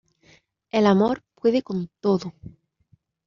El Amor Puede con Todo